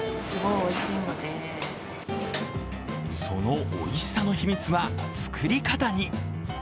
そのおいしさの秘密は作り方に。